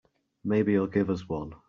Maybe he'll give us one.